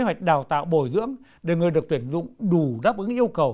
kế hoạch đào tạo bồi dưỡng để người được tuyển dụng đủ đáp ứng yêu cầu